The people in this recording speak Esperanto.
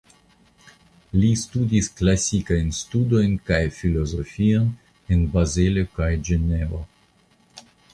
Li studis klasikajn studojn kaj filozofion en Bazelo kaj Ĝenevo.